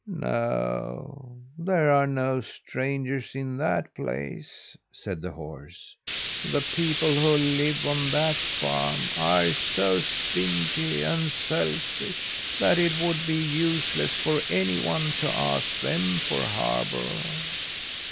"No, there are no strangers in that place," said the horse. "The people who live on that farm are so stingy and selfish that it would be useless for any one to ask them for harbour."